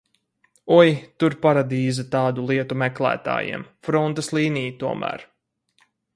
Oi, tur paradīze tādu lietu meklētājiem, frontes līnija tomēr.